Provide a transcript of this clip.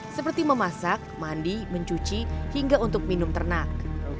seperti memasak mandi mencuci hingga untuk minum ternak